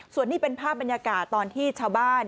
ส่วนนี้เป็นภาพบรรยากาศตอนที่ชาวบ้าน